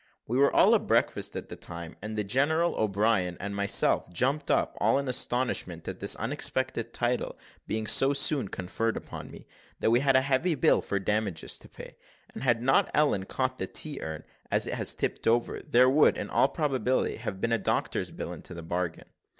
We were all at breakfast at the time, and the general, O'Brien, and myself jumped up, all in such astonishment at this unexpected title being so soon conferred upon me, that we had a heavy bill for damages to pay; and had not Ellen caught the tea urn, as it was tipped over, there would, in all probability, have been a doctor's bill into the bargain.